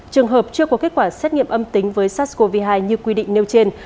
trường hợp chưa có kết quả xét nghiệm âm tính với sars cov hai như quy định nêu trên